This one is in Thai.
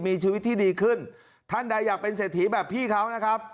มีชีวิตที่ดีขึ้นท่านใดอยากเป็นเศรษฐีแบบพี่เขานะครับ